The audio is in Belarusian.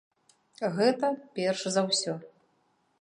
Гэта перш за ўсё.